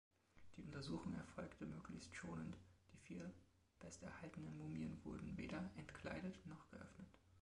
Die Untersuchung erfolgte möglichst schonend, die vier besterhaltenen Mumien wurden weder entkleidet noch geöffnet.